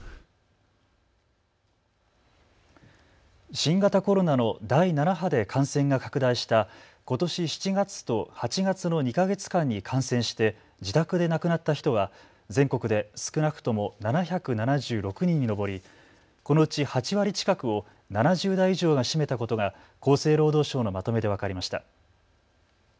新型コロナの第７波で感染が拡大したことし７月と８月の２か月間に感染して自宅で亡くなった人は全国で少なくとも７７６人に上りこのうち８割近くを７０代以上が占めたことが厚生労働省のまとめで分かりました。